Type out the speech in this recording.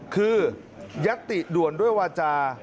คือยัตติด่วนด้วยวาจา